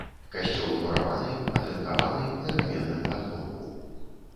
Касцёл мураваны, атынкаваны, на каменным падмурку.